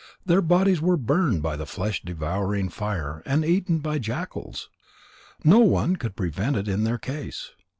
Their bodies were burned by the flesh devouring fire and eaten by jackals. No one could prevent it in their case.